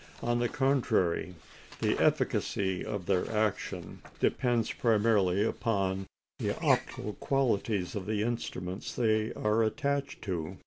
On the contrary, the efficacy of their action depends primarily upon the optical qualities of the instruments they are attached to.